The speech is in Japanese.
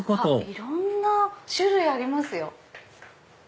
いろんな種類ありますよ。